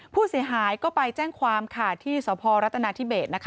ผู้เสียหายก็ไปแจ้งความค่ะที่สพรัฐนาธิเบสนะคะ